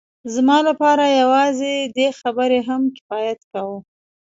زما لپاره یوازې دې خبرې هم کفایت کاوه